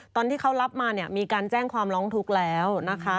ตอนที่เขารับมาเนี่ยมีการแจ้งความร้องทุกข์แล้วนะคะ